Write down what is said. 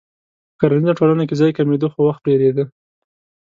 په کرنیزه ټولنه کې ځای کمېده خو وخت ډېرېده.